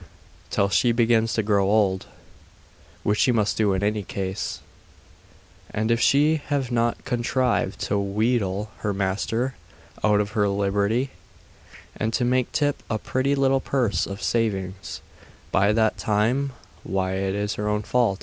till she begins to grow old.... which she must do in any case....And if she have not contrived to wheedle her master out of her liberty, and to make tip a pretty little purse of savings, by that time why, it is her own fault.